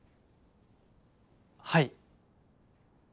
はい。